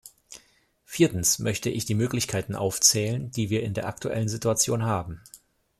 Viertens möchte ich die Möglichkeiten aufzählen, die wir in der aktuellen Situation haben.